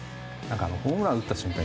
ホームラン打った瞬間